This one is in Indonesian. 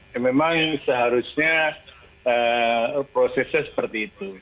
ya memang seharusnya prosesnya seperti itu